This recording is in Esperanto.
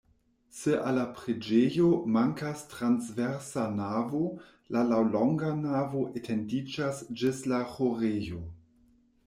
Se al la preĝejo mankas transversa navo, la laŭlonga navo etendiĝas ĝis la ĥorejo.